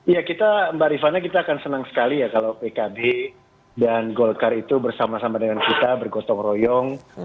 ya kita mbak rifana kita akan senang sekali ya kalau pkb dan golkar itu bersama sama dengan kita bergotong royong